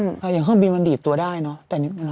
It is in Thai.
อย่างเครื่องบินมันดีดตัวได้เนอะ